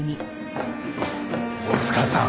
大塚さん！